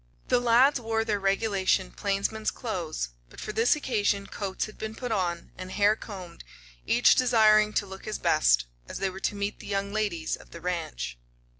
The lads wore their regulation plainsman's clothes, but for this occasion coats had been put on and hair combed, each desiring to look his best, as they were to meet the young ladies of the ranch.